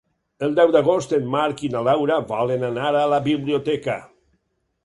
El deu d'agost en Marc i na Laura volen anar a la biblioteca.